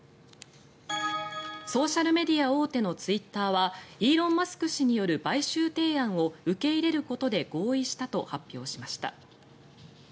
ソーシャルメディア大手のツイッターはイーロン・マスク氏による買収提案を受け入れることで合意したと発表しました。